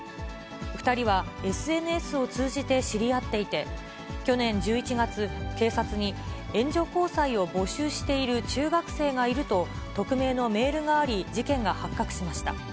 ２人はＳＮＳを通じて知り合っていて、去年１１月、警察に援助交際を募集している中学生がいると、匿名のメールがあり、事件が発覚しました。